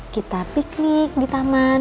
kita piknik di taman